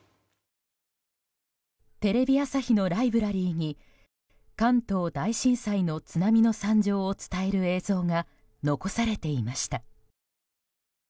テレビ朝日のライブラリーに関東大震災の津波の惨状を伝える映像が残されていました。